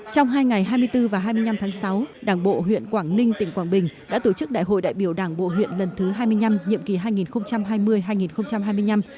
trong hai ngày hai mươi bốn và hai mươi năm tháng sáu đảng bộ huyện quảng ninh tỉnh quảng bình đã tổ chức đại hội đại biểu đảng bộ huyện lần thứ hai mươi năm nhiệm kỳ hai nghìn hai mươi hai nghìn hai mươi năm